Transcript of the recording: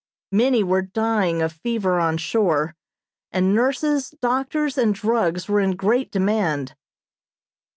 Many were dying of fever on shore, and nurses, doctors and drugs were in great demand.